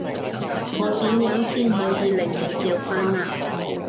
我點樣先可以令你笑返呀？